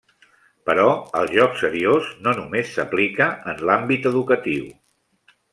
Però el joc seriós no només s’aplica en l’àmbit educatiu.